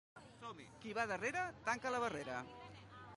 Qui va darrere tanca la barrera.